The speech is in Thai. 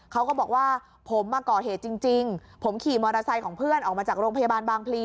เขาก็บอกว่าผมมาก่อเหตุจริงผมขี่มอเตอร์ไซค์ของเพื่อนออกมาจากโรงพยาบาลบางพลี